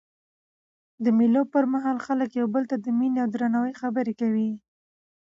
د مېلو پر مهال خلک یو بل ته د میني او درناوي خبري کوي.